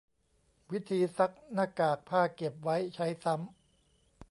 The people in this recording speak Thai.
วิธีซักหน้ากากผ้า เก็บไว้ใช้ซ้ำ